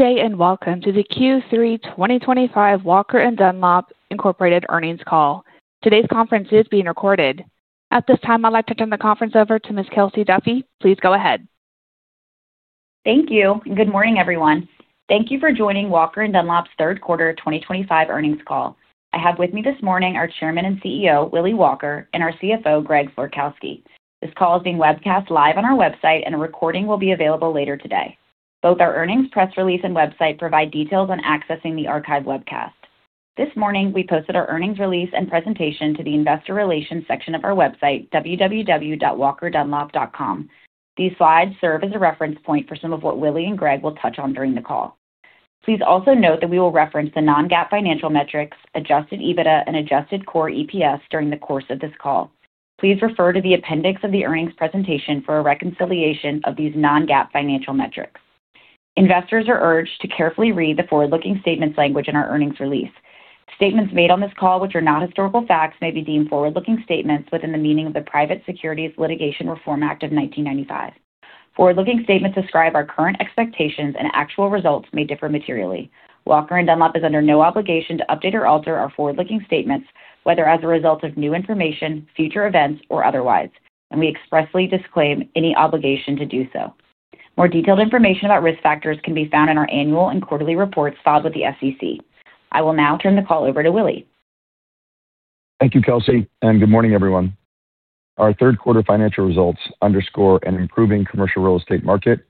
Good day and welcome to the Q3 2025 Walker & Dunlop, Incorporated earnings call. Today's conference is being recorded. At this time, I'd like to turn the conference over to Ms. Kelsey Duffey. Please go ahead. Thank you. Good morning, everyone. Thank you for joining Walker & Dunlop's third quarter 2025 earnings call. I have with me this morning our Chairman and CEO, Willy Walker, and our CFO, Greg Florkowski. This call is being webcast live on our website, and a recording will be available later today. Both our earnings press release and website provide details on accessing the archived webcast. This morning, we posted our earnings release and presentation to the Investor Relations section of our website, www.walkerdunlop.com. These slides serve as a reference point for some of what Willy and Greg will touch on during the call. Please also note that we will reference the non-GAAP financial metrics, Adjusted EBITDA, and Adjusted Core EPS during the course of this call. Please refer to the appendix of the earnings presentation for a reconciliation of these non-GAAP financial metrics. Investors are urged to carefully read the forward-looking statements language in our earnings release. Statements made on this call, which are not historical facts, may be deemed forward-looking statements within the meaning of the Private Securities Litigation Reform Act of 1995. Forward-looking statements describe our current expectations, and actual results may differ materially. Walker & Dunlop is under no obligation to update or alter our forward-looking statements, whether as a result of new information, future events, or otherwise, and we expressly disclaim any obligation to do so. More detailed information about risk factors can be found in our annual and quarterly reports filed with the SEC. I will now turn the call over to Willy. Thank you, Kelsey, and good morning, everyone. Our third quarter financial results underscore an improving commercial real estate market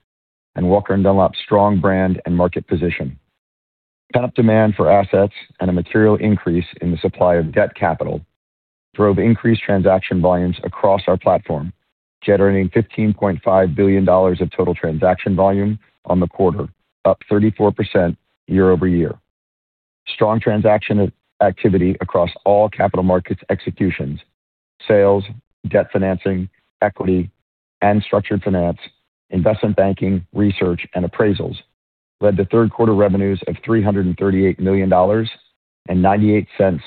and Walker & Dunlop's strong brand and market position. Top demand for assets and a material increase in the supply of debt capital drove increased transaction volumes across our platform, generating $15.5 billion of total transaction volume on the quarter, up 34% year-over-year. Strong transaction activity across all capital markets executions—sales, debt financing, equity, and structured finance, investment banking, research, and appraisals—led to third quarter revenues of $338 million, and $0.98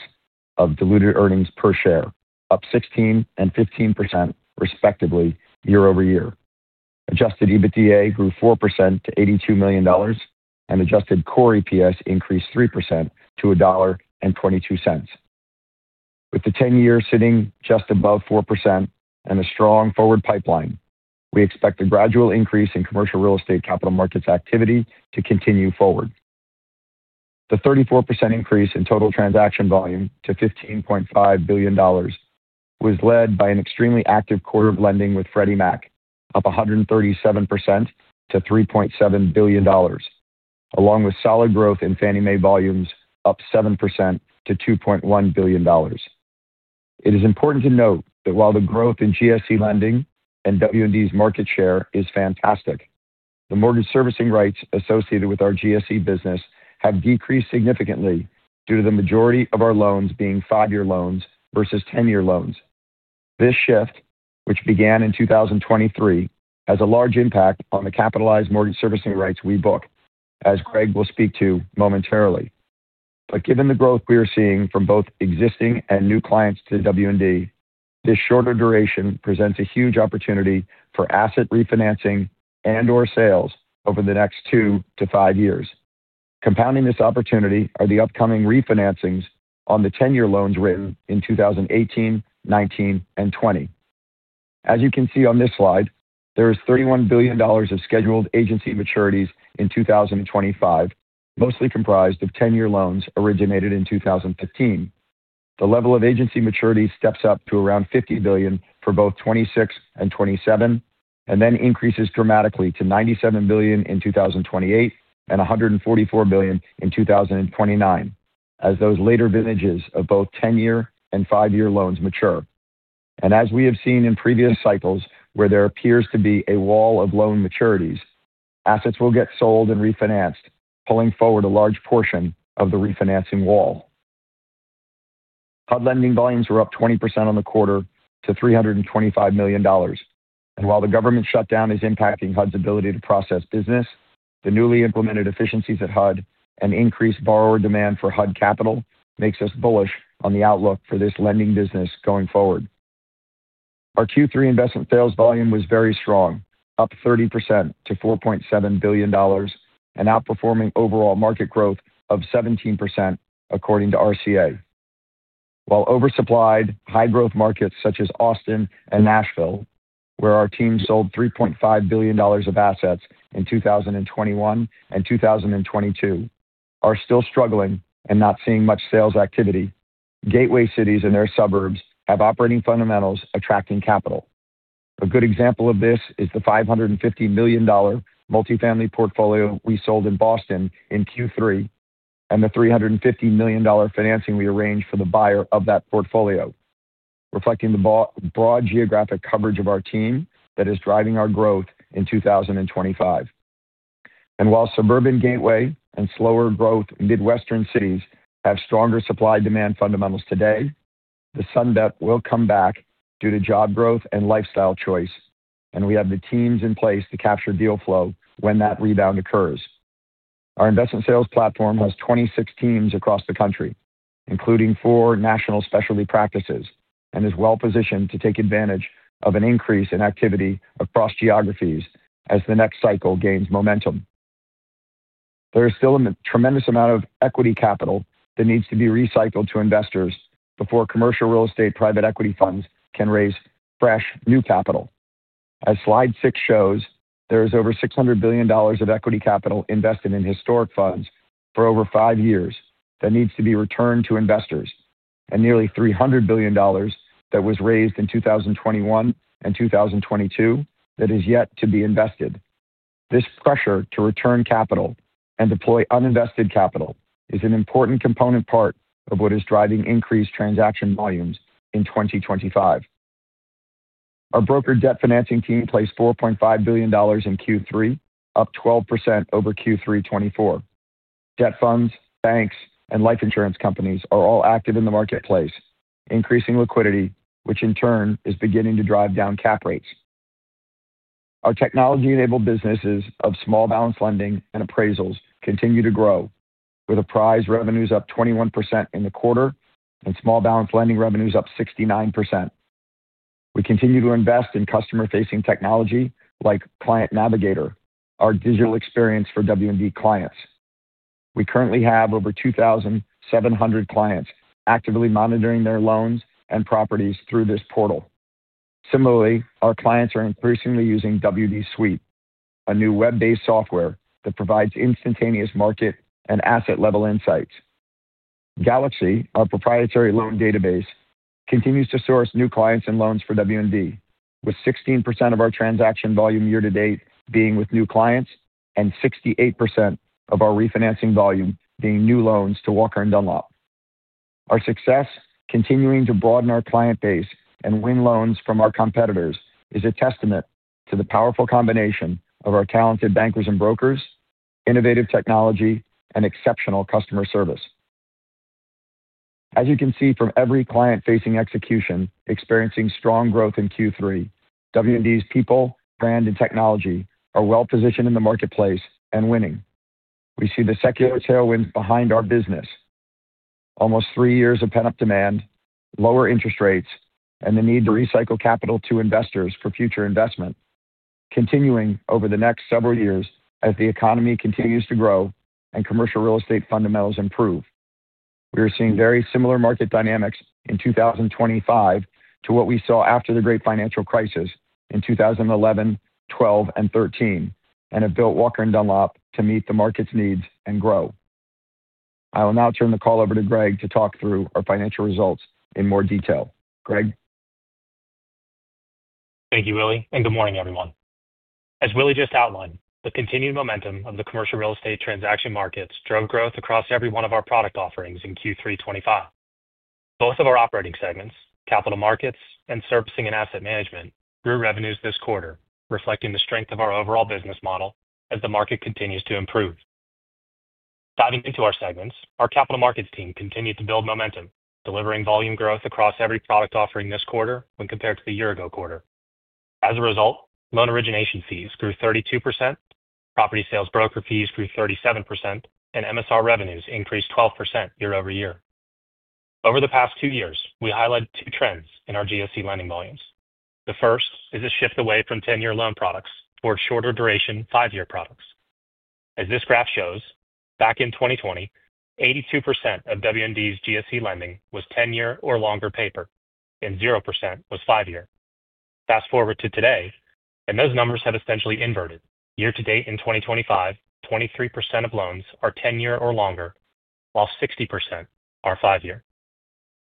of diluted earnings per share, up 16% and 15% respectively year-over-year. Adjusted EBITDA grew 4% to $82 million, and Adjusted Core EPS increased 3% to $1.22. With the 10-year sitting just above 4% and a strong forward pipeline, we expect a gradual increase in commercial real estate capital markets activity to continue forward. The 34% increase in total transaction volume to $15.5 billion was led by an extremely active quarter of lending with Freddie Mac, up 137% to $3.7 billion, along with solid growth in Fannie Mae volumes, up 7% to $2.1 billion. It is important to note that while the growth in GSE lending and W&D's market share is fantastic, the Mortgage Servicing Rights associated with our GSE business have decreased significantly due to the majority of our loans being five-year loans versus 10-year loans. This shift, which began in 2023, has a large impact on the capitalized Mortgage Servicing Rights we book, as Greg will speak to momentarily. Given the growth we are seeing from both existing and new clients to W&D, this shorter duration presents a huge opportunity for asset refinancing and/or sales over the next 2-5 years. Compounding this opportunity are the upcoming refinancings on the 10-year loans written in 2018, 2019, and 2020. As you can see on this slide, there is $31 billion of scheduled agency maturities in 2025, mostly comprised of 10-year loans originated in 2015. The level of agency maturities steps up to around $50 billion for both 2026 and 2027, and then increases dramatically to $97 billion in 2028 and $144 billion in 2029, as those later vintages of both 10-year and 5-year loans mature. As we have seen in previous cycles where there appears to be a wall of loan maturities, assets will get sold and refinanced, pulling forward a large portion of the refinancing wall. HUD lending volumes were up 20% on the quarter to $325 million. While the government shutdown is impacting HUD's ability to process business, the newly implemented efficiencies at HUD and increased borrower demand for HUD capital makes us bullish on the outlook for this lending business going forward. Our Q3 investment sales volume was very strong, up 30% to $4.7 billion, and outperforming overall market growth of 17% according to RCA. While oversupplied high-growth markets such as Austin and Nashville, where our team sold $3.5 billion of assets in 2021 and 2022, are still struggling and not seeing much sales activity, gateway cities and their suburbs have operating fundamentals attracting capital. A good example of this is the $550 million multifamily portfolio we sold in Boston in Q3 and the $350 million financing we arranged for the buyer of that portfolio, reflecting the broad geographic coverage of our team that is driving our growth in 2025. While suburban gateway and slower growth in Midwestern cities have stronger supply-demand fundamentals today, the Sun Belt will come back due to job growth and lifestyle choice, and we have the teams in place to capture deal flow when that rebound occurs. Our investment sales platform has 26 teams across the country, including four national specialty practices, and is well positioned to take advantage of an increase in activity across geographies as the next cycle gains momentum. There is still a tremendous amount of equity capital that needs to be recycled to investors before commercial real estate private equity funds can raise fresh new capital. As slide six shows, there is over $600 billion of equity capital invested in historic funds for over five years that needs to be returned to investors, and nearly $300 billion that was raised in 2021 and 2022 that is yet to be invested. This pressure to return capital and deploy uninvested capital is an important component part of what is driving increased transaction volumes in 2025. Our brokered debt financing team placed $4.5 billion in Q3, up 12% over Q3 2024. Debt funds, banks, and life insurance companies are all active in the marketplace, increasing liquidity, which in turn is beginning to drive down cap rates. Our technology-enabled businesses of small balance lending and appraisals continue to grow, with appraisal revenues up 21% in the quarter and small balance lending revenues up 69%. We continue to invest in customer-facing technology like Client Navigator, our digital experience for W&D clients. We currently have over 2,700 clients actively monitoring their loans and properties through this portal. Similarly, our clients are increasingly using W&D Suite, a new web-based software that provides instantaneous market and asset-level insights. Galaxy, our proprietary loan database, continues to source new clients and loans for W&D, with 16% of our transaction volume year to date being with new clients and 68% of our refinancing volume being new loans to Walker & Dunlop. Our success continuing to broaden our client base and win loans from our competitors is a testament to the powerful combination of our talented bankers and brokers, innovative technology, and exceptional customer service. As you can see from every client-facing execution experiencing strong growth in Q3, W&D's people, brand, and technology are well positioned in the marketplace and winning. We see the secular tailwinds behind our business. Almost three years of pent-up demand, lower interest rates, and the need to recycle capital to investors for future investment continuing over the next several years as the economy continues to grow and commercial real estate fundamentals improve. We are seeing very similar market dynamics in 2025 to what we saw after the great financial crisis in 2011, 2012, and 2013, and have built Walker & Dunlop to meet the market's needs and grow. I will now turn the call over to Greg to talk through our financial results in more detail. Greg. Thank you, Willy, and good morning, everyone. As Willy just outlined, the continued momentum of the commercial real estate transaction markets drove growth across every one of our product offerings in Q3 2025. Both of our operating segments, Capital Markets and Servicing & Asset Management, grew revenues this quarter, reflecting the strength of our overall business model as the market continues to improve. Diving into our segments, our Capital Markets team continued to build momentum, delivering volume growth across every product offering this quarter when compared to the year-ago quarter. As a result, loan origination fees grew 32%, property sales broker fees grew 37%, and MSR revenues increased 12% year-over-year. Over the past two years, we highlighted two trends in our GSE lending volumes. The first is a shift away from 10-year loan products toward shorter-duration 5-year products. As this graph shows, back in 2020, 82% of W&D's GSE lending was 10-year or longer paper, and 0% was 5-year. Fast forward to today, and those numbers have essentially inverted. Year-to-date in 2025, 23% of loans are 10-year or longer, while 60% are 5-year.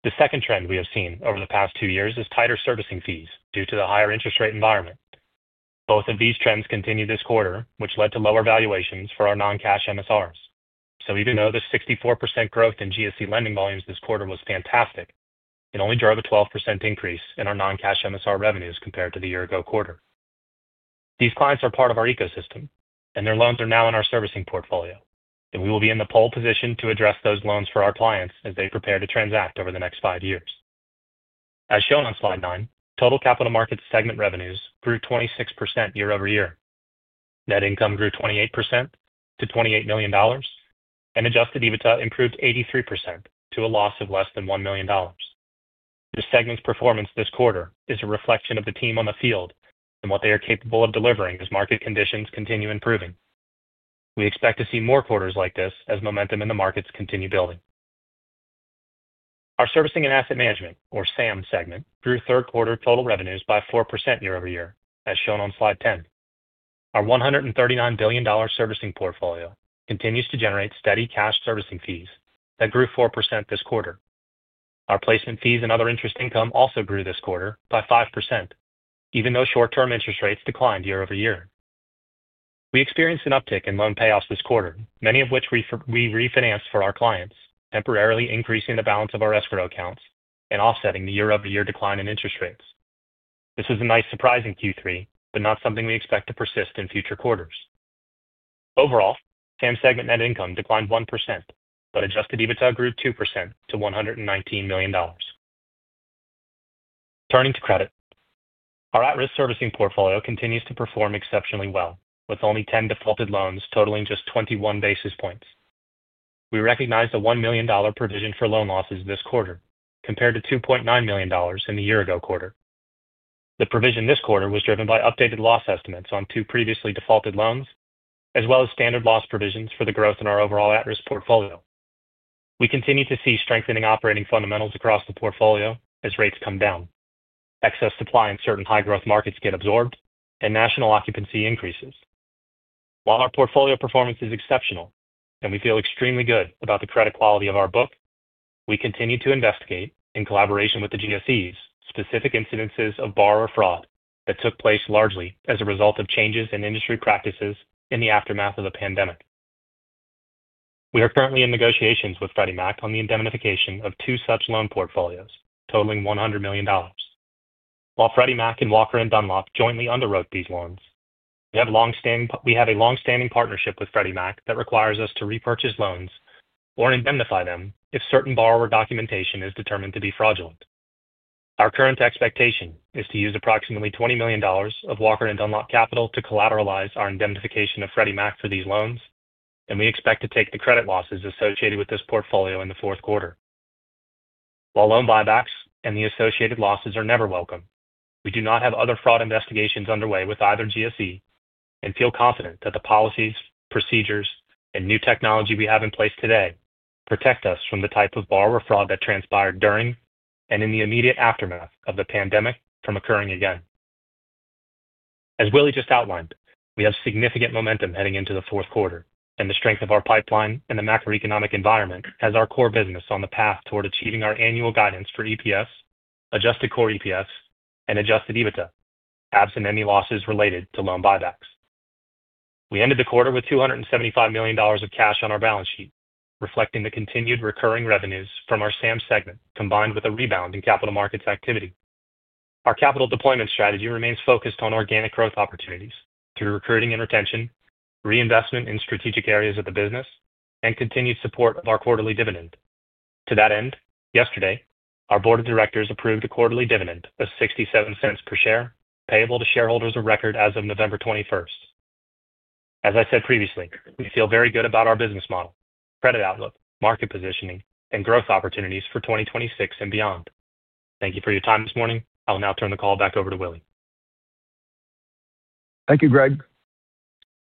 The second trend we have seen over the past two years is tighter servicing fees due to the higher interest rate environment. Both of these trends continue this quarter, which led to lower valuations for our non-cash MSRs. Even though the 64% growth in GSE lending volumes this quarter was fantastic, it only drove a 12% increase in our non-cash MSR revenues compared to the year-ago quarter. These clients are part of our ecosystem, and their loans are now in our Servicing Portfolio, and we will be in the pole position to address those loans for our clients as they prepare to transact over the next five years. As shown on slide nine, total Capital Markets segment revenues grew 26% year-over-year. Net income grew 28% to $28 million, and Adjusted EBITDA improved 83% to a loss of less than $1 million. The segment's performance this quarter is a reflection of the team on the field and what they are capable of delivering as market conditions continue improving. We expect to see more quarters like this as momentum in the markets continue building. Our Servicing & Asset Management, or SAM segment, grew third quarter total revenues by 4% year-over-year, as shown on slide 10. Our $139 billion Servicing Portfolio continues to generate steady cash servicing fees that grew 4% this quarter. Our placement fees and other interest income also grew this quarter by 5%, even though short-term interest rates declined year-over-year. We experienced an uptick in loan payoffs this quarter, many of which we refinanced for our clients, temporarily increasing the balance of our escrow accounts and offsetting the year-over-year decline in interest rates. This was a nice surprise in Q3, but not something we expect to persist in future quarters. Overall, SAM segment net income declined 1%, but Adjusted EBITDA grew 2% to $119 million. Turning to credit, our at-risk servicing portfolio continues to perform exceptionally well, with only 10 defaulted loans totaling just 21 basis points. We recognize a $1 million provision for loan losses this quarter, compared to $2.9 million in the year-ago quarter. The provision this quarter was driven by updated loss estimates on two previously defaulted loans, as well as standard loss provisions for the growth in our overall at-risk portfolio. We continue to see strengthening operating fundamentals across the portfolio as rates come down. Excess supply in certain high-growth markets gets absorbed, and national occupancy increases. While our portfolio performance is exceptional and we feel extremely good about the credit quality of our book, we continue to investigate, in collaboration with the GSEs, specific incidences of borrower fraud that took place largely as a result of changes in industry practices in the aftermath of the pandemic. We are currently in negotiations with Freddie Mac on the indemnification of two such loan portfolios totaling $100 million. While Freddie Mac and Walker & Dunlop jointly underwrote these loans, we have a long-standing partnership with Freddie Mac that requires us to repurchase loans or indemnify them if certain borrower documentation is determined to be fraudulent. Our current expectation is to use approximately $20 million of Walker & Dunlop capital to collateralize our indemnification of Freddie Mac for these loans, and we expect to take the credit losses associated with this portfolio in the fourth quarter. While loan buybacks and the associated losses are never welcome, we do not have other fraud investigations underway with either GSE and feel confident that the policies, procedures, and new technology we have in place today protect us from the type of borrower fraud that transpired during and in the immediate aftermath of the pandemic from occurring again. As Willy just outlined, we have significant momentum heading into the fourth quarter, and the strength of our pipeline and the macroeconomic environment has our core business on the path toward achieving our annual guidance for EPS, Adjusted Core EPS, and Adjusted EBITDA, absent any losses related to loan buybacks. We ended the quarter with $275 million of cash on our balance sheet, reflecting the continued recurring revenues from our SAM segment combined with a rebound in Capital Markets activity. Our capital deployment strategy remains focused on organic growth opportunities through recruiting and retention, reinvestment in strategic areas of the business, and continued support of our quarterly dividend. To that end, yesterday, our Board of Directors approved a quarterly dividend of $0.67 per share, payable to shareholders of record as of November 21st. As I said previously, we feel very good about our business model, credit outlook, market positioning, and growth opportunities for 2026 and beyond. Thank you for your time this morning. I will now turn the call back over to Willy. Thank you, Greg.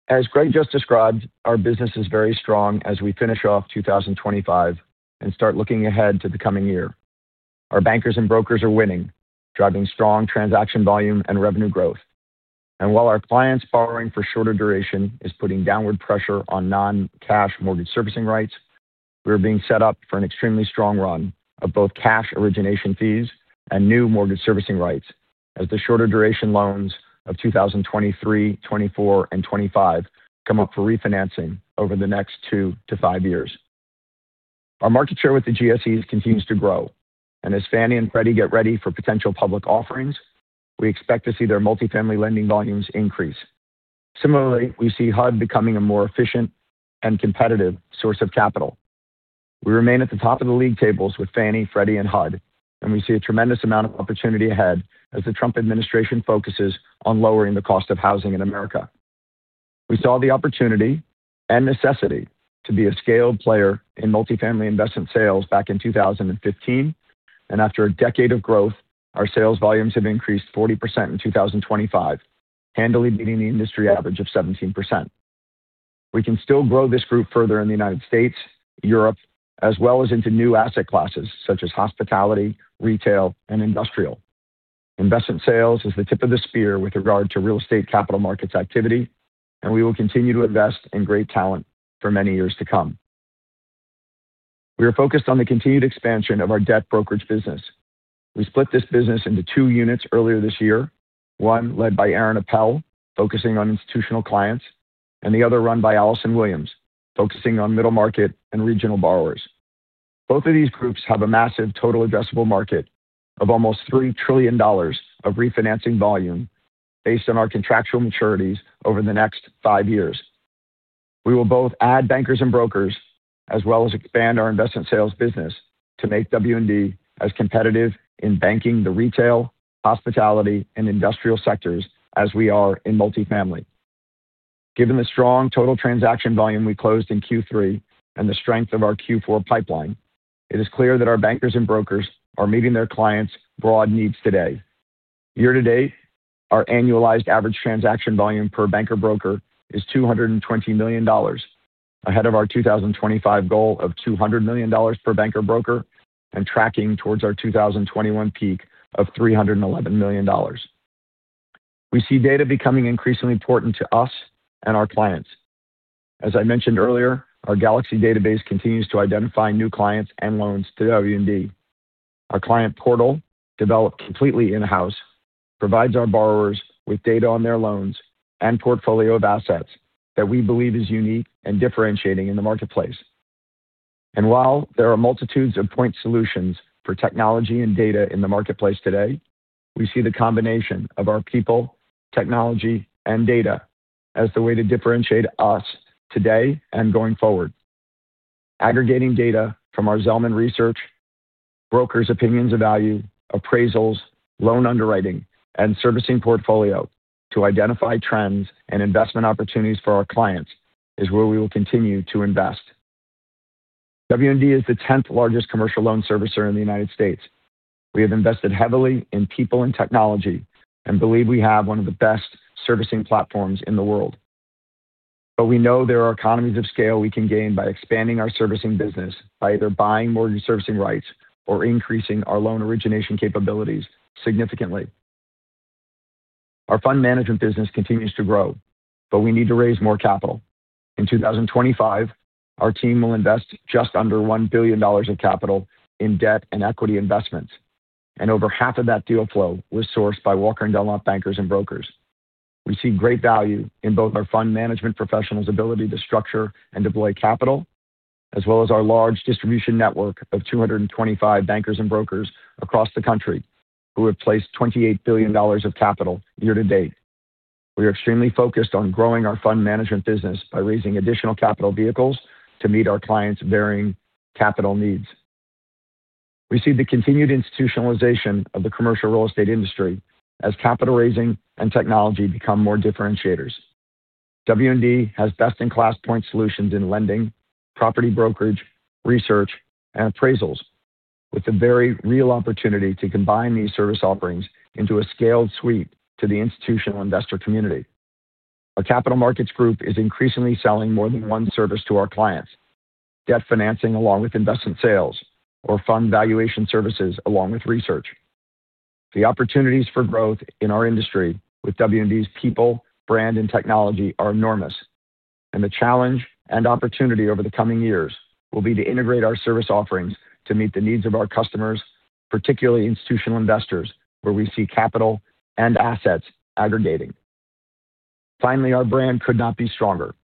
As Greg just described, our business is very strong as we finish off 2025 and start looking ahead to the coming year. Our bankers and brokers are winning, driving strong transaction volume and revenue growth. While our clients' borrowing for shorter duration is putting downward pressure on non-cash Mortgage Servicing Rights, we are being set up for an extremely strong run of both cash origination fees and new Mortgage Servicing Rights as the shorter-duration loans of 2023, 2024, and 2025 come up for refinancing over the next 2-5 years. Our market share with the GSEs continues to grow, and as Fannie and Freddie get ready for potential public offerings, we expect to see their multifamily lending volumes increase. Similarly, we see HUD becoming a more efficient and competitive source of capital. We remain at the top of the league tables with Fannie, Freddie, and HUD, and we see a tremendous amount of opportunity ahead as the Trump administration focuses on lowering the cost of housing in America. We saw the opportunity and necessity to be a scaled player in multifamily investment sales back in 2015, and after a decade of growth, our sales volumes have increased 40% in 2025, handily beating the industry average of 17%. We can still grow this group further in the United States, Europe, as well as into new asset classes such as hospitality, retail, and industrial. Investment sales is the tip of the spear with regard to real estate capital markets activity, and we will continue to invest in great talent for many years to come. We are focused on the continued expansion of our debt brokerage business. We split this business into two units earlier this year, one led by Aaron Appel, focusing on institutional clients, and the other run by Alison Williams, focusing on middle market and regional borrowers. Both of these groups have a massive total addressable market of almost $3 trillion of refinancing volume based on our contractual maturities over the next five years. We will both add bankers and brokers as well as expand our investment sales business to make W&D as competitive in banking, the retail, hospitality, and industrial sectors as we are in multifamily. Given the strong total transaction volume we closed in Q3 and the strength of our Q4 pipeline, it is clear that our bankers and brokers are meeting their clients' broad needs today. Year to date, our annualized average transaction volume per banker broker is $220 million, ahead of our 2025 goal of $200 million per banker broker and tracking towards our 2021 peak of $311 million. We see data becoming increasingly important to us and our clients. As I mentioned earlier, our Galaxy database continues to identify new clients and loans to W&D. Our client portal, developed completely in-house, provides our borrowers with data on their loans and portfolio of assets that we believe is unique and differentiating in the marketplace. While there are multitudes of point solutions for technology and data in the marketplace today, we see the combination of our people, technology, and data as the way to differentiate us today and going forward. Aggregating data from our Zelman research. Brokers' opinions of value, appraisals, loan underwriting, and servicing portfolio to identify trends and investment opportunities for our clients is where we will continue to invest. W&D is the 10th largest commercial loan servicer in the United States. We have invested heavily in people and technology and believe we have one of the best servicing platforms in the world. We know there are economies of scale we can gain by expanding our servicing business by either buying Mortgage Servicing Rights or increasing our loan origination capabilities significantly. Our fund management business continues to grow, but we need to raise more capital. In 2025, our team will invest just under $1 billion of capital in debt and equity investments, and over half of that deal flow was sourced by Walker & Dunlop bankers and brokers. We see great value in both our fund management professionals' ability to structure and deploy capital, as well as our large distribution network of 225 bankers and brokers across the country who have placed $28 billion of capital year-to-date. We are extremely focused on growing our fund management business by raising additional capital vehicles to meet our clients' varying capital needs. We see the continued institutionalization of the commercial real estate industry as capital raising and technology become more differentiators. W&D has best-in-class point solutions in lending, property brokerage, research, and appraisals, with a very real opportunity to combine these service offerings into a scaled suite to the institutional investor community. Our Capital Markets group is increasingly selling more than one service to our clients: debt financing along with investment sales, or fund valuation services along with research. The opportunities for growth in our industry with W&D's people, brand, and technology are enormous, and the challenge and opportunity over the coming years will be to integrate our service offerings to meet the needs of our customers, particularly institutional investors, where we see capital and assets aggregating. Finally, our brand could not be stronger.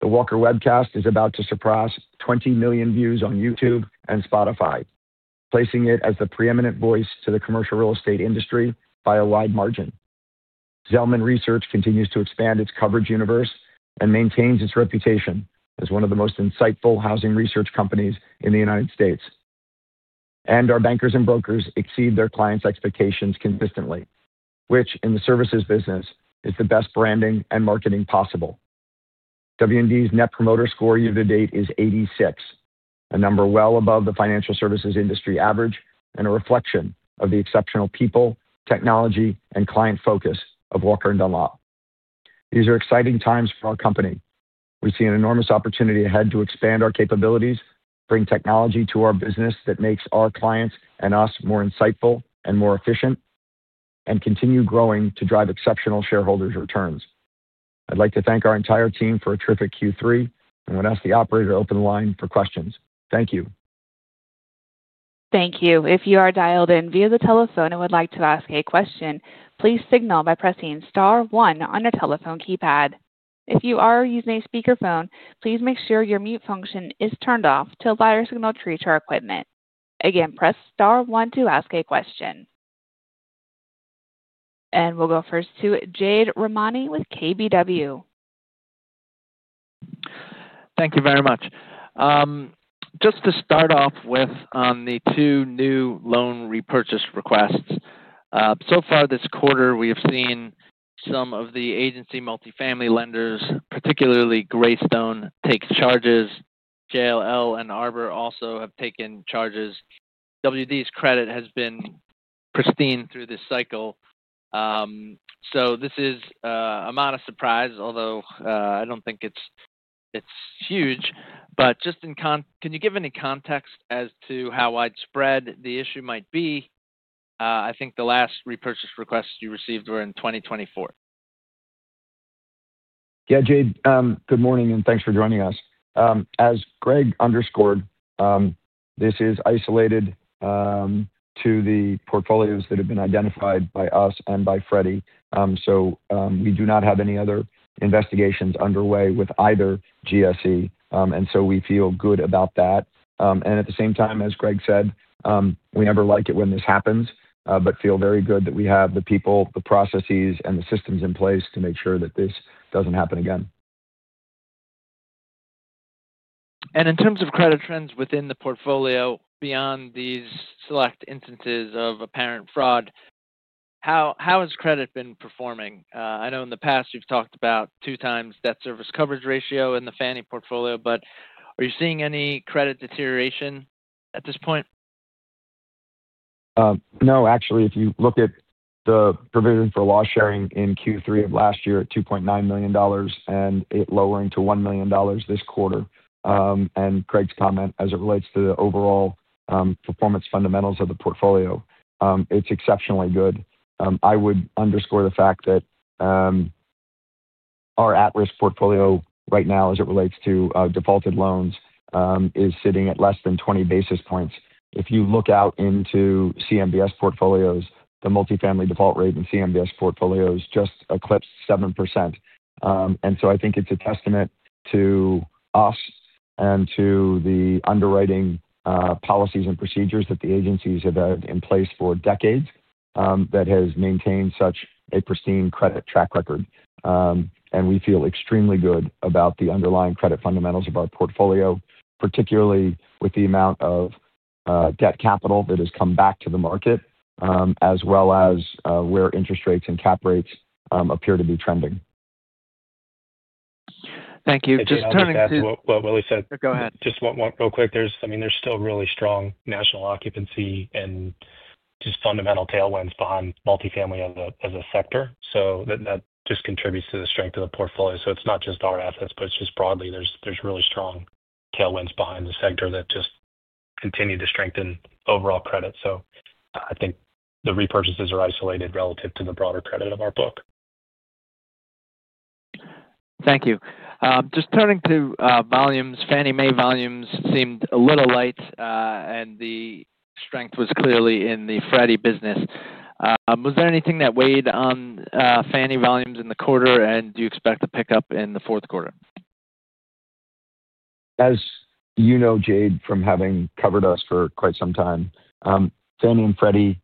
The Walker Webcast is about to surpass 20 million views on YouTube and Spotify, placing it as the preeminent voice to the commercial real estate industry by a wide margin. Zelman Research continues to expand its coverage universe and maintains its reputation as one of the most insightful housing research companies in the United States. Our bankers and brokers exceed their clients' expectations consistently, which, in the services business, is the best branding and marketing possible. W&D's net promoter score year-to-date is 86, a number well above the financial services industry average and a reflection of the exceptional people, technology, and client focus of Walker & Dunlop. These are exciting times for our company. We see an enormous opportunity ahead to expand our capabilities, bring technology to our business that makes our clients and us more insightful and more efficient, and continue growing to drive exceptional shareholders' returns. I'd like to thank our entire team for a terrific Q3, and we'll ask the operator to open the line for questions. Thank you. Thank you. If you are dialed in via the telephone and would like to ask a question, please signal by pressing star one on your telephone keypad. If you are using a speakerphone, please make sure your mute function is turned off to allow your signal to reach our equipment. Again, press star one to ask a question. We will go first to Jade Rahmani with KBW. Thank you very much. Just to start off with on the two new loan repurchase requests. So far this quarter, we have seen some of the agency multifamily lenders, particularly Greystone, take charges. JLL and Arbor also have taken charges. W&D's credit has been pristine through this cycle. This is a modest surprise, although I do not think it is huge. Just in con can you give any context as to how widespread the issue might be? I think the last repurchase requests you received were in 2024. Yeah, Jade, good morning and thanks for joining us. As Greg underscored, this is isolated to the portfolios that have been identified by us and by Freddie. We do not have any other investigations underway with either GSE, and we feel good about that. At the same time, as Greg said, we never like it when this happens, but feel very good that we have the people, the processes, and the systems in place to make sure that this does not happen again. In terms of credit trends within the portfolio, beyond these select instances of apparent fraud, how has credit been performing? I know in the past you've talked about 2x debt service coverage ratio in the Fannie portfolio, but are you seeing any credit deterioration at this point? No, actually, if you look at the provision for loss sharing in Q3 of last year at $2.9 million and it lowering to $1 million this quarter. Greg's comment as it relates to the overall performance fundamentals of the portfolio, it's exceptionally good. I would underscore the fact that our at-risk portfolio right now, as it relates to defaulted loans, is sitting at less than 20 basis points. If you look out into CMBS portfolios, the multifamily default rate in CMBS portfolios just eclipsed 7%. I think it's a testament to us and to the underwriting policies and procedures that the agencies have had in place for decades that has maintained such a pristine credit track record. We feel extremely good about the underlying credit fundamentals of our portfolio, particularly with the amount of. Debt capital that has come back to the market, as well as where interest rates and cap rates appear to be trending. Thank you. Just turning to. I think that's what Willy said. Go ahead. Just one real quick. I mean, there's still really strong national occupancy and just fundamental tailwinds behind multifamily as a sector. That just contributes to the strength of the portfolio. It's not just our assets, but it's just broadly there's really strong tailwinds behind the sector that just continue to strengthen overall credit. I think the repurchases are isolated relative to the broader credit of our book. Thank you. Just turning to volumes, Fannie Mae volumes seemed a little light, and the strength was clearly in the Freddie business. Was there anything that weighed on Fannie volumes in the quarter, and do you expect a pickup in the fourth quarter? As you know, Jade, from having covered us for quite some time, Fannie and Freddie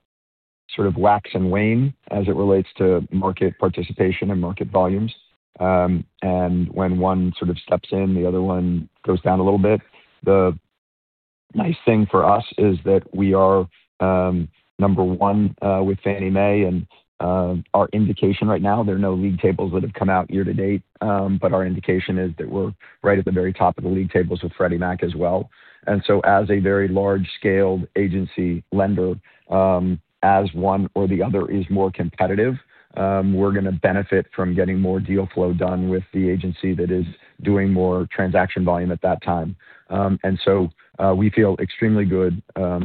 sort of wax and wane as it relates to market participation and market volumes. When one sort of steps in, the other one goes down a little bit. The nice thing for us is that we are number one with Fannie Mae, and our indication right now, there are no league tables that have come out year-to-date, but our indication is that we're right at the very top of the league tables with Freddie Mac as well. As a very large-scale agency lender, as one or the other is more competitive, we're going to benefit from getting more deal flow done with the agency that is doing more transaction volume at that time. We feel extremely good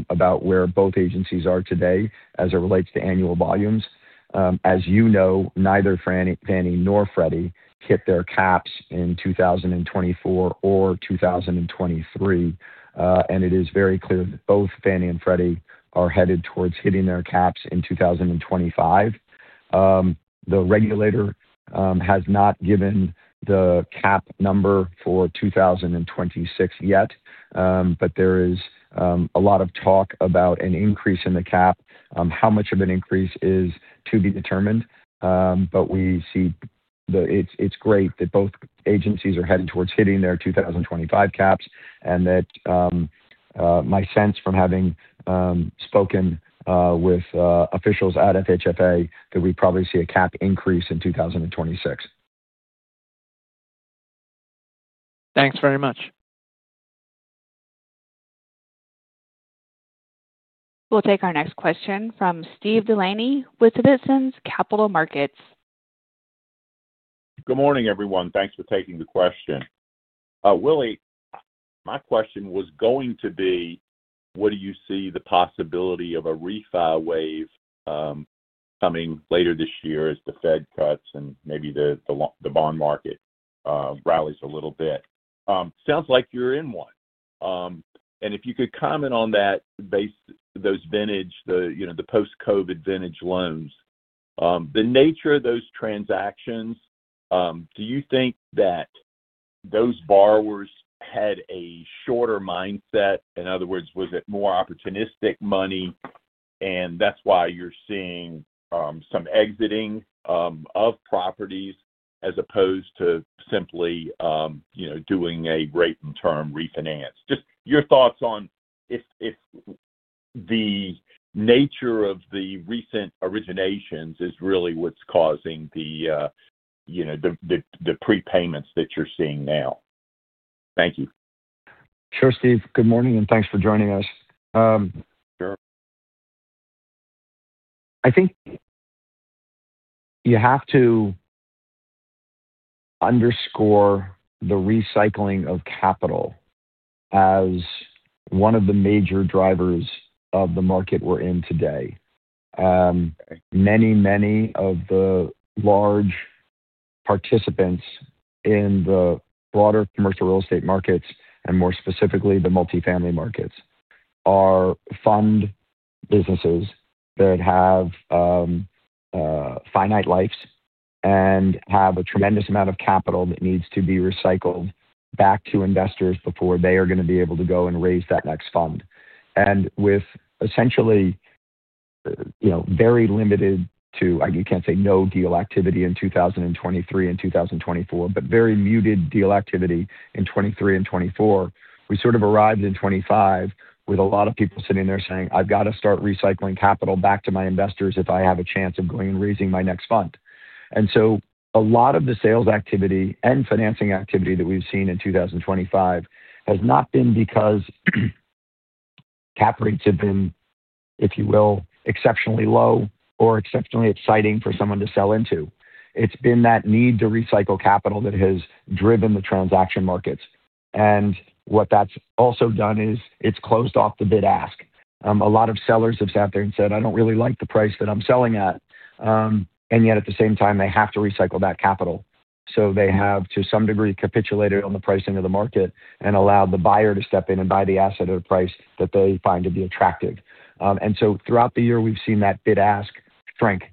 about where both agencies are today as it relates to annual volumes. As you know, neither Fannie nor Freddie hit their caps in 2024 or 2023. It is very clear that both Fannie and Freddie are headed towards hitting their caps in 2025. The regulator has not given the cap number for 2026 yet, but there is a lot of talk about an increase in the cap. How much of an increase is to be determined, but we see it. It is great that both agencies are headed towards hitting their 2025 caps. My sense from having spoken with officials at FHFA is that we probably see a cap increase in 2026. Thanks very much. We'll take our next question from Steve DeLaney with Citizens Capital Markets. Good morning, everyone. Thanks for taking the question. Willy, my question was going to be, what do you see the possibility of a refi wave coming later this year as the Fed cuts and maybe the bond market rallies a little bit? Sounds like you're in one. If you could comment on that. Based on those vintage, the post-COVID vintage loans, the nature of those transactions, do you think that those borrowers had a shorter mindset? In other words, was it more opportunistic money, and that's why you're seeing some exiting of properties as opposed to simply doing a rate and term refinance? Just your thoughts on if the nature of the recent originations is really what's causing the prepayments that you're seeing now. Thank you. Sure, Steve. Good morning and thanks for joining us. Sure. I think you have to underscore the recycling of capital as one of the major drivers of the market we're in today. Many, many of the large participants in the broader commercial real estate markets, and more specifically the multifamily markets, are fund businesses that have finite lives and have a tremendous amount of capital that needs to be recycled back to investors before they are going to be able to go and raise that next fund. With essentially. Very limited to, I can't say no deal activity in 2023 and 2024, but very muted deal activity in 2023 and 2024, we sort of arrived in 2025 with a lot of people sitting there saying, "I've got to start recycling capital back to my investors if I have a chance of going and raising my next fund." A lot of the sales activity and financing activity that we've seen in 2025 has not been because cap rates have been, if you will, exceptionally low or exceptionally exciting for someone to sell into. It's been that need to recycle capital that has driven the transaction markets. What that's also done is it's closed off the bid-asked. A lot of sellers have sat there and said, "I don't really like the price that I'm selling at." Yet at the same time, they have to recycle that capital. They have, to some degree, capitulated on the pricing of the market and allowed the buyer to step in and buy the asset at a price that they find to be attractive. Throughout the year, we've seen that bid-ask strength.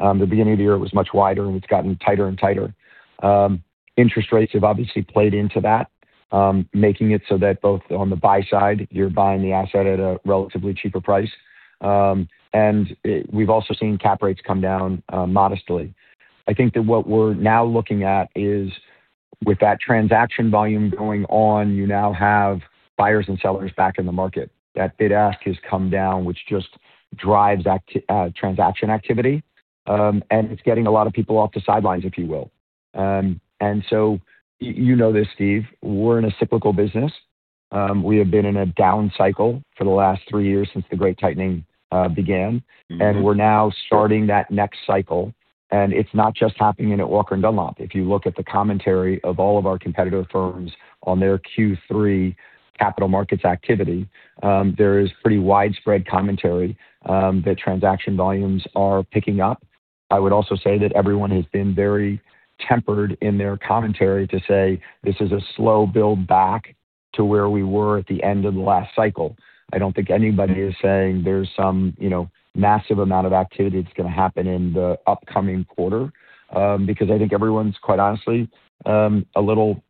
At the beginning of the year, it was much wider, and it's gotten tighter and tighter. Interest rates have obviously played into that, making it so that both on the buy side, you're buying the asset at a relatively cheaper price. We've also seen cap rates come down modestly. I think that what we're now looking at is, with that transaction volume going on, you now have buyers and sellers back in the market. That bid-ask has come down, which just drives transaction activity. It's getting a lot of people off the sidelines, if you will. You know this, Steve. We're in a cyclical business. We have been in a down cycle for the last three years since the Great Tightening began. We're now starting that next cycle. It's not just happening in Walker & Dunlop. If you look at the commentary of all of our competitor firms on their Q3 capital markets activity, there is pretty widespread commentary that transaction volumes are picking up. I would also say that everyone has been very tempered in their commentary to say, "This is a slow build back to where we were at the end of the last cycle." I don't think anybody is saying there's some massive amount of activity that's going to happen in the upcoming quarter because I think everyone's, quite honestly, a little.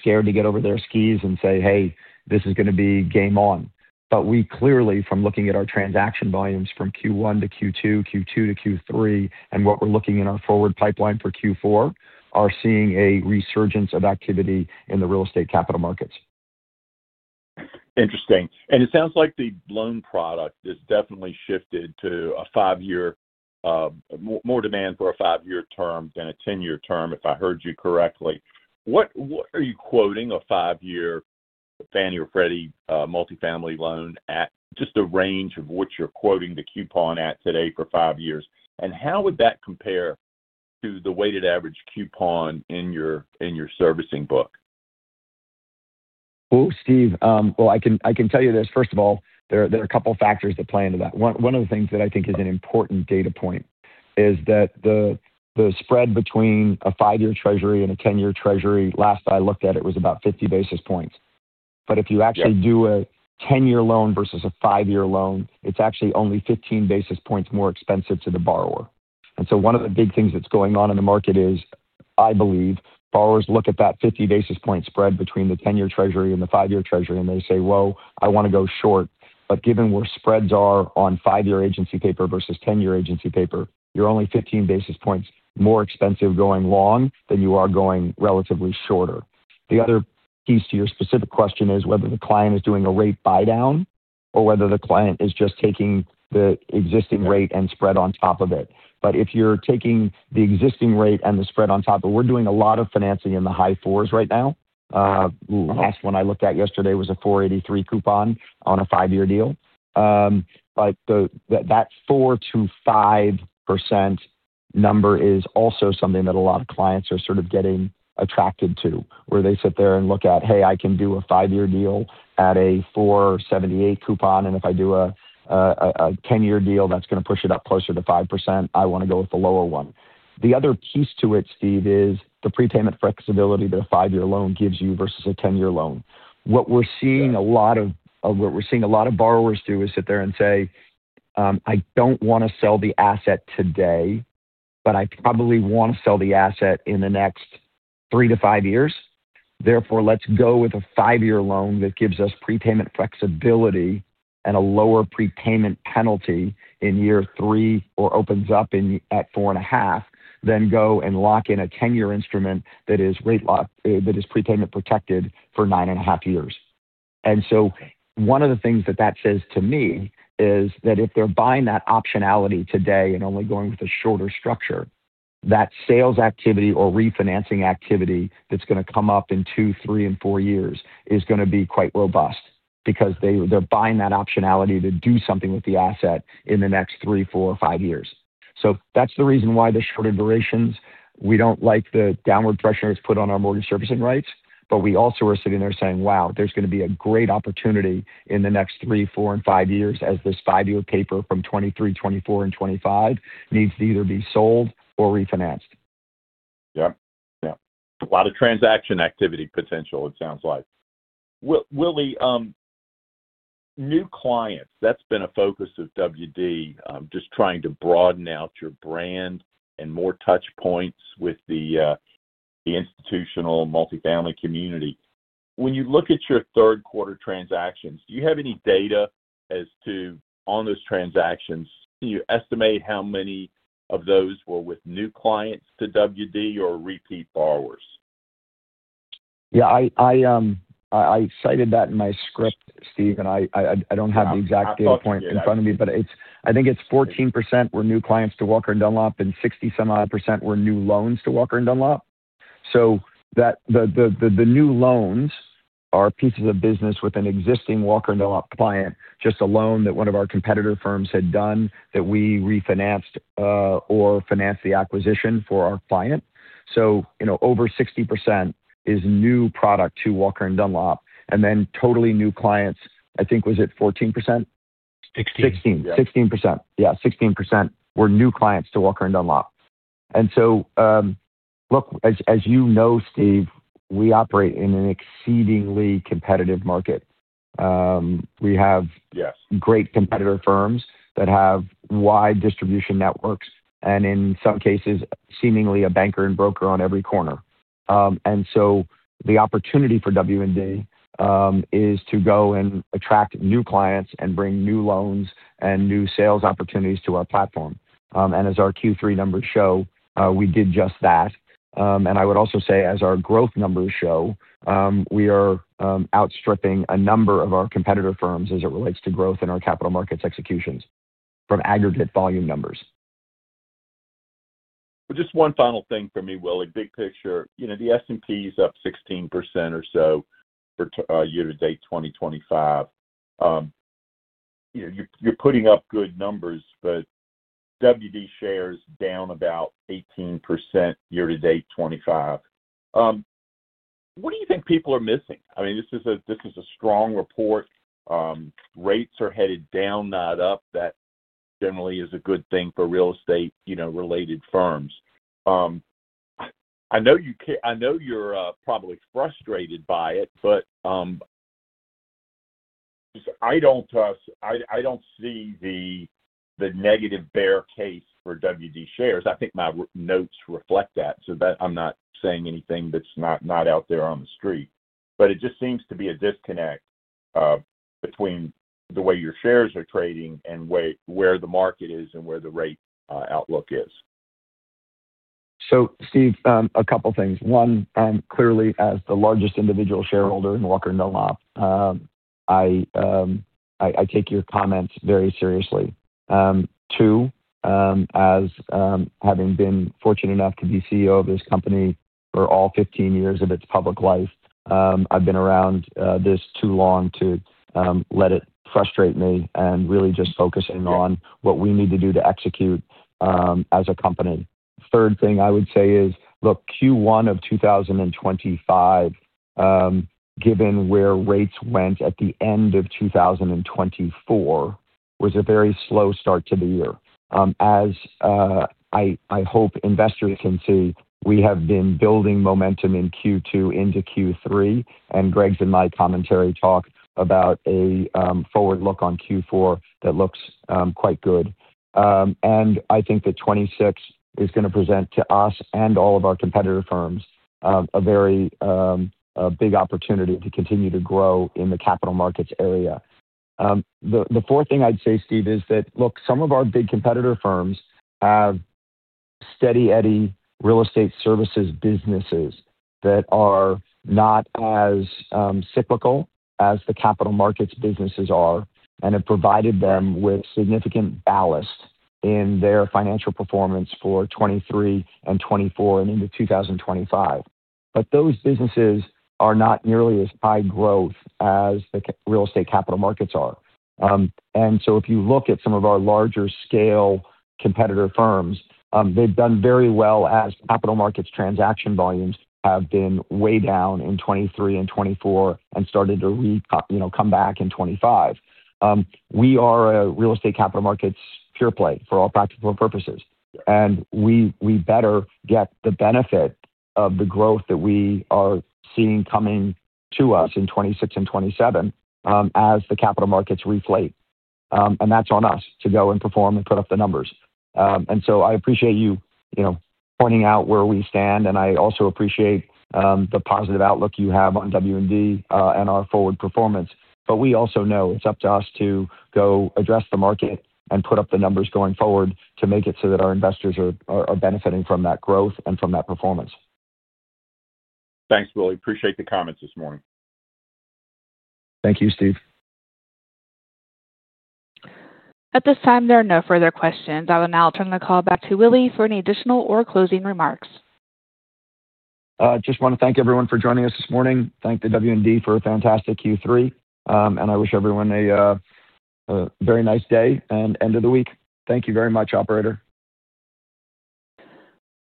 Scared to get over their skis and say, "Hey, this is going to be game on." We clearly, from looking at our transaction volumes from Q1 to Q2, Q2 to Q3, and what we're looking in our forward pipeline for Q4, are seeing a resurgence of activity in the real estate capital markets. Interesting. It sounds like the loan product has definitely shifted to a five-year. More demand for a five-year term than a ten-year term, if I heard you correctly. What are you quoting a five-year Fannie or Freddie multifamily loan at? Just the range of what you're quoting the coupon at today for five years. How would that compare to the weighted average coupon in your servicing book? Steve, I can tell you this. First of all, there are a couple of factors that play into that. One of the things that I think is an important data point is that the spread between a five-year treasury and a ten-year treasury, last I looked at it, was about 50 basis points. If you actually do a ten-year loan versus a five-year loan, it is actually only 15 basis points more expensive to the borrower. One of the big things that is going on in the market is, I believe, borrowers look at that 50 basis point spread between the ten-year treasury and the five-year treasury, and they say, "Whoa, I want to go short." Given where spreads are on five-year agency paper versus ten-year agency paper, you are only 15 basis points more expensive going long than you are going relatively shorter. The other piece to your specific question is whether the client is doing a rate buy-down or whether the client is just taking the existing rate and spread on top of it. If you're taking the existing rate and the spread on top of it, we're doing a lot of financing in the high fours right now. The last one I looked at yesterday was a 4.83% coupon on a five-year deal. That 4%-5% number is also something that a lot of clients are sort of getting attracted to, where they sit there and look at, "Hey, I can do a five-year deal at a 4.78% coupon, and if I do a. Ten-year deal that's going to push it up closer to 5%, I want to go with the lower one. The other piece to it, Steve, is the prepayment flexibility that a five-year loan gives you versus a ten-year loan. What we're seeing a lot of borrowers do is sit there and say, "I don't want to sell the asset today, but I probably want to sell the asset in the next 3-5 years. Therefore, let's go with a five-year loan that gives us prepayment flexibility and a lower prepayment penalty in year three or opens up at four and a half, then go and lock in a ten-year instrument that is rate locked, that is prepayment protected for nine and a half years. One of the things that that says to me is that if they're buying that optionality today and only going with a shorter structure, that sales activity or refinancing activity that's going to come up in two, three, and four years is going to be quite robust because they're buying that optionality to do something with the asset in the next three, four, or five years. That's the reason why the shorter durations. We don't like the downward pressure that's put on our Mortgage Servicing Rights, but we also are sitting there saying, "Wow, there's going to be a great opportunity in the next three, four, and five years as this five-year paper from 2023, 2024, and 2025 needs to either be sold or refinanced. Yep. Yep. A lot of transaction activity potential, it sounds like. Willy. New clients, that's been a focus of WD, just trying to broaden out your brand and more touch points with the institutional multifamily community. When you look at your third quarter transactions, do you have any data as to on those transactions? Can you estimate how many of those were with new clients to WD or repeat borrowers? Yeah. I cited that in my script, Steve, and I don't have the exact data point in front of me, but I think it's 14% were new clients to Walker & Dunlop and 60-some odd percent were new loans to Walker & Dunlop. The new loans are pieces of business with an existing Walker & Dunlop client, just a loan that one of our competitor firms had done that we refinanced or financed the acquisition for our client. Over 60% is new product to Walker & Dunlop. And then totally new clients, I think was it 14%? 16. 16. 16%. Yeah. 16% were new clients to Walker & Dunlop. Look, as you know, Steve, we operate in an exceedingly competitive market. We have. Yes. Great competitor firms that have wide distribution networks and, in some cases, seemingly a banker and broker on every corner. The opportunity for W&D is to go and attract new clients and bring new loans and new sales opportunities to our platform. As our Q3 numbers show, we did just that. I would also say, as our growth numbers show, we are outstripping a number of our competitor firms as it relates to growth in our capital markets executions from aggregate volume numbers. Just one final thing for me, Willy, big picture. The S&P is up 16% or so for year-to-date 2025. You're putting up good numbers, but WD shares down about 18% year-to-date 2025. What do you think people are missing? I mean, this is a strong report. Rates are headed down, not up. That generally is a good thing for real estate-related firms. I know you're probably frustrated by it, but I don't see the negative bear case for WD shares. I think my notes reflect that, so I'm not saying anything that's not out there on the street. It just seems to be a disconnect between the way your shares are trading and where the market is and where the rate outlook is. Steve, a couple of things. One, clearly, as the largest individual shareholder in Walker & Dunlop, I take your comments very seriously. Two, as having been fortunate enough to be CEO of this company for all 15 years of its public life, I've been around this too long to let it frustrate me and really just focusing on what we need to do to execute as a company. Third thing I would say is, look, Q1 of 2025, given where rates went at the end of 2024, was a very slow start to the year. I hope investors can see, we have been building momentum in Q2 into Q3, and Greg's and my commentary talk about a forward look on Q4 that looks quite good. I think that 2026 is going to present to us and all of our competitor firms a very. Big opportunity to continue to grow in the capital markets area. The fourth thing I'd say, Steve, is that, look, some of our big competitor firms have steady Eddie real estate services businesses that are not as cyclical as the capital markets businesses are and have provided them with significant ballast in their financial performance for 2023 and 2024 and into 2025. Those businesses are not nearly as high growth as the real estate capital markets are. If you look at some of our larger scale competitor firms, they've done very well as capital markets transaction volumes have been way down in 2023 and 2024 and started to come back in 2025. We are a real estate capital markets pure play for all practical purposes. We better get the benefit of the growth that we are seeing coming to us in 2026 and 2027 as the capital markets reflate. That is on us to go and perform and put up the numbers. I appreciate you pointing out where we stand, and I also appreciate the positive outlook you have on W&D and our forward performance. We also know it is up to us to go address the market and put up the numbers going forward to make it so that our investors are benefiting from that growth and from that performance. Thanks, Willy. Appreciate the comments this morning. Thank you, Steve. At this time, there are no further questions. I will now turn the call back to Willy for any additional or closing remarks. Just want to thank everyone for joining us this morning. Thank the W&D for a fantastic Q3, and I wish everyone a very nice day and end of the week. Thank you very much, operator.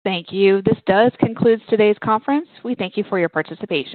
Thank you. This does conclude today's conference. We thank you for your participation.